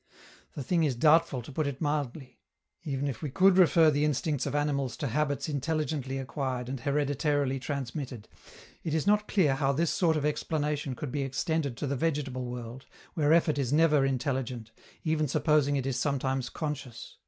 The thing is doubtful, to put it mildly. Even if we could refer the instincts of animals to habits intelligently acquired and hereditarily transmitted, it is not clear how this sort of explanation could be extended to the vegetable world, where effort is never intelligent, even supposing it is sometimes conscious.